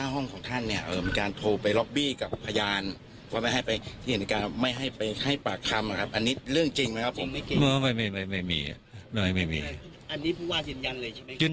ห้องของท่านเนี่ยเอิมการโทรไปล็อบบี้กับพยานว่าไม่ให้ไปที่เห็นการไม่ให้ไปให้ปากคำนะครับอันนี้เรื่องจริงไหมครับผมไม่มีไม่มีไม่มีไม่มีอันนี้พูดว่าจริง